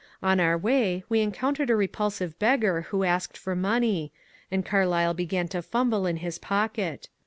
On our way we encountered a repulsive beggar who asked for money, and Carlyle began to fumble in his pocket.